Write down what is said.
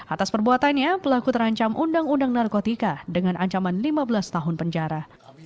atas perbuatannya pelaku terancam undang undang narkotika dengan ancaman lima belas tahun penjara